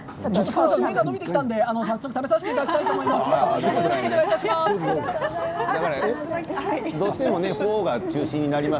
麺が伸びてきたので食べさせていただきたいと思います、いただきます。